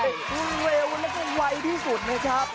ทุนเร็วแล้วก็ไวที่สุดนะครับ